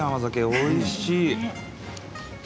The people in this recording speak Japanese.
おいしい。